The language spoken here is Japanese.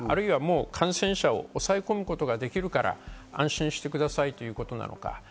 あるいは感染者を抑え込むことができるから安心してくださいということなのか。